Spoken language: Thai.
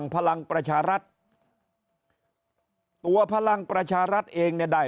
พลังประชารัฐตัวพลังประชารัฐเองเนี่ยได้